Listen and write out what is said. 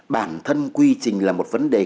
bản thân quy trình là một vấn đề